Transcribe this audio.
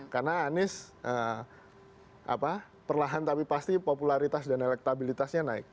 karena anies perlahan tapi pasti popularitas dan elektabilitasnya naik